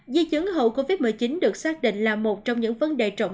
di chứng hậu covid một mươi chín được xác định là một trong những vấn đề trọng